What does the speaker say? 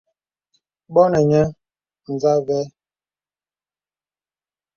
Bɔ nə̀ nyə̄ nzâ və̀.